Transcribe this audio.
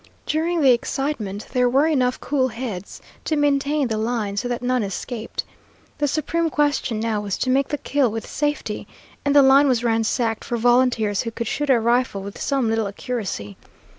During the excitement, there were enough cool heads to maintain the line, so that none escaped. The supreme question now was to make the kill with safety, and the line was ransacked for volunteers who could shoot a rifle with some little accuracy.